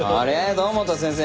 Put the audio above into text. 堂本先生